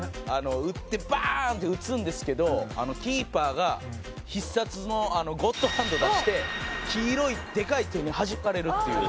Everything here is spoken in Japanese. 打ってバーンって打つんですけどキーパーが必殺のゴッドハンド出して黄色いでかい手にはじかれるという。